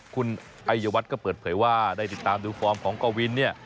คุณไอยวัฒน์ก็เปิดเผยว่าได้ติดตามดูฟอร์มของกวินเนี่ย